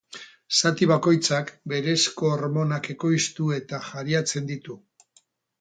Zati bakoitzak berezko hormonak ekoiztu eta jariatzen ditu.